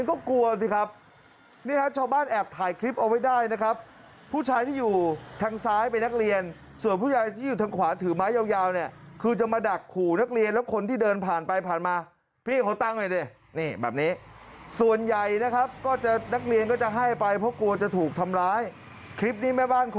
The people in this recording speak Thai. นี่ฮะชาวบ้านก็ทนไม่ไหวนี่